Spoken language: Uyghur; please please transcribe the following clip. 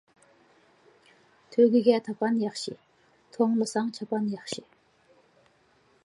تۆگىگە تاپان ياخشى، توڭلىساڭ چاپان ياخشى.